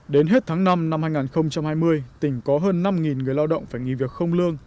đến hết tháng năm năm hai nghìn hai mươi tỉnh có hơn năm người lao động phải nghỉ việc không lương